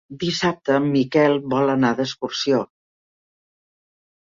Dissabte en Miquel vol anar d'excursió.